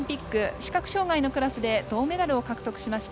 視覚障がいのクラスで銅メダルを獲得しました